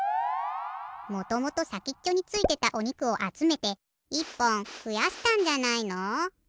もともとさきっちょについてたおにくをあつめて１ぽんふやしたんじゃないの？